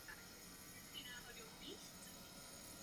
V Micpe Ilan funguje synagoga.